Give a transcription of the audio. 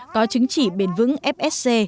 có chứng chỉ bền vững fsc